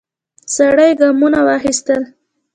سړی ګامونه واخیستل.